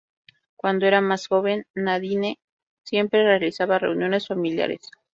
Cuando era más joven, Nadine siempre realizaba reuniones familiares.